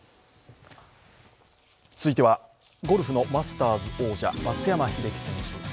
続いてはゴルフのマスターズ王者、松山英樹選手。